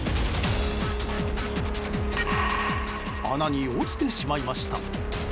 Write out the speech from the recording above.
穴に落ちてしまいました。